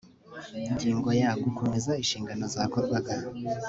ingingo ya gukomeza inshingano zakorwaga